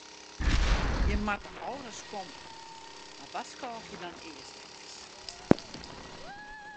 Jimme moatte al ris komme, mar warskôgje dan earst efkes.